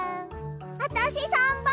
あたし③ばん！